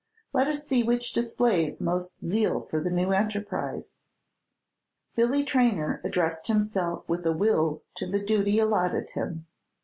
Let us see which displays most zeal for the new enterprise." Billy Traynor addressed himself with a will to the duty allotted him.